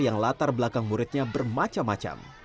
yang latar belakang muridnya bermacam macam